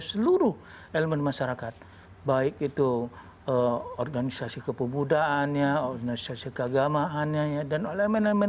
seluruh elemen masyarakat baik itu organisasi kepemudaannya organisasi keagamaannya dan elemen elemen